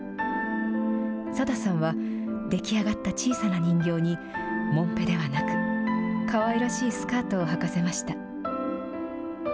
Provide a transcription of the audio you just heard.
サダさんは、出来上がった小さな人形にもんぺではなく、かわいらしいスカートをはかせました。